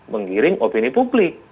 mengiring opini publik